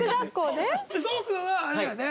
聡君はあれだよね？